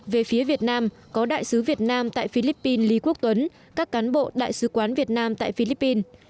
về phía việt nam có đại sứ việt nam tại philippines lý quốc tuấn các cán bộ đại sứ quán việt nam tại philippines